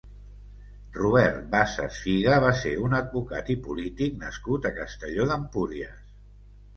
Robert Bassas Figa va ser un advocat i polític nascut a Castelló d'Empúries.